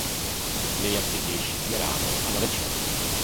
Nejaktivnější je ráno a navečer.